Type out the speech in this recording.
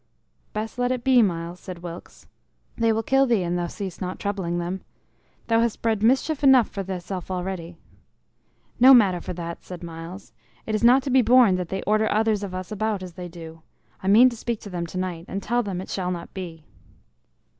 "Best let it be, Myles," said Wilkes. "They will kill thee an thou cease not troubling them. Thou hast bred mischief enow for thyself already." "No matter for that," said Myles; "it is not to be borne that they order others of us about as they do. I mean to speak to them to night, and tell them it shall not be."